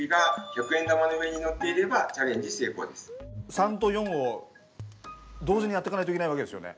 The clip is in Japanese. ３と４を同時にやっていかないといけないわけですよね。